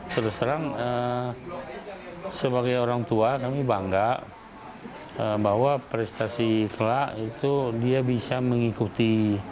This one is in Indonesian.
terus terang sebagai orang tua kami bangga bahwa prestasi kelak itu dia bisa mengikuti